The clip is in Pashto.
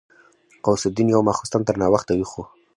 غوث الدين يو ماخستن تر ناوخته ويښ و.